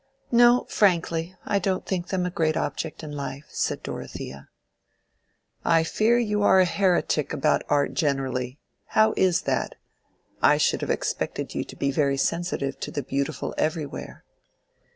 "No, frankly, I don't think them a great object in life," said Dorothea. "I fear you are a heretic about art generally. How is that? I should have expected you to be very sensitive to the beautiful everywhere."